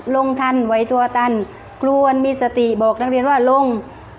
ลงท่านไว้ตัวท่านกลัวมีสติบอกนักเรียนว่าลง